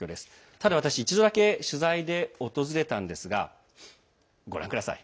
ただ、私は一度だけ取材で訪れたんですがご覧ください。